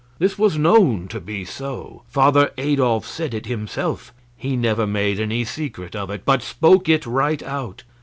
This was known to be so. Father Adolf said it himself. He never made any secret of it, but spoke it right out.